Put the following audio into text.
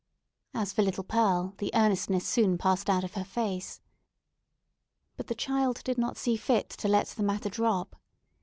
As for little Pearl, the earnestness soon passed out of her face. But the child did not see fit to let the matter drop.